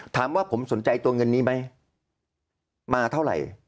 ถามว่าผมสนใจตัวเงินนี้ไหมมาเท่าไหร่